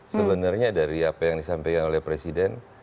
sebenarnya dari apa yang disampaikan oleh presiden